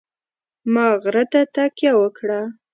ما غره ته تکیه وکړه.